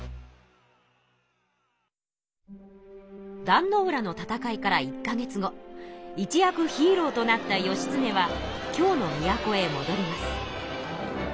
壇ノ浦の戦いから１か月後一躍ヒーローとなった義経は京の都へもどります。